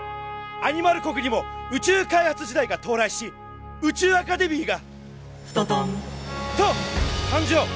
アニマル国にも宇宙開発時代が到来し宇宙アカデミーが「スタタン！」と誕生！